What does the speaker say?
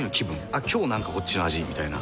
「あっ今日なんかこっちの味」みたいな。